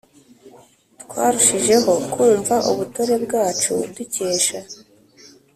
twarushijeho kumva ubutore bwacu dukesha